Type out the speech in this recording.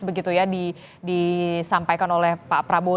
begitu ya disampaikan oleh pak prabowo